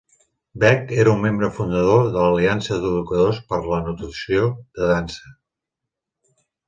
Beck era un membre fundador de l'Aliança d'Educadors per la Notació de Dansa.